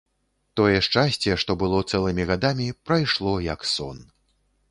Тое шчасце, што было цэлымі гадамі, прайшло, як сон.